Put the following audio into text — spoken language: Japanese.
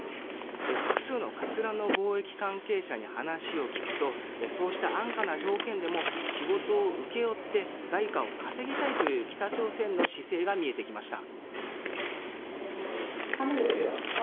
複数のかつらの貿易関係者に話を聞くとそうした安価な条件でも仕事を請け負って外貨を稼ぎたいという北朝鮮の姿勢が見えてきました。